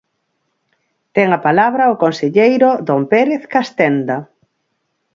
Ten a palabra o conselleiro don Pérez Castenda.